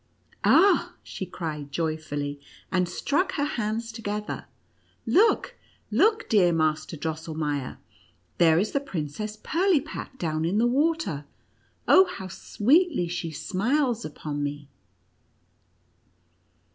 "Ah!" she cried joyfully, and struck her hands together. " Look, look, dear Master Drosselmeier ! There is the Princess Pirlipat down in the water ! Oh, how sweetly she smiles upon me